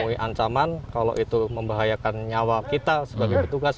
mengetahui ancaman kalau itu membahayakan nyawa kita sebagai petugas